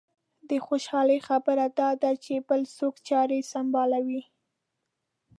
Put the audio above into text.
د خوشالۍ خبره دا ده چې بل څوک چارې سنبالوي.